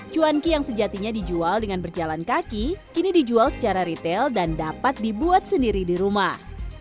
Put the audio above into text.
cuanki yang sejatinya dijual dengan berjalan kaki kini dijual secara retail dan dapat dibuat sendiri di rumah